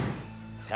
dia udah paham